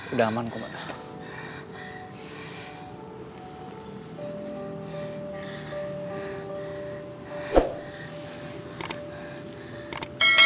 udah aman kok mbak